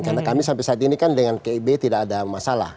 karena kami sampai saat ini kan dengan kib tidak ada masalah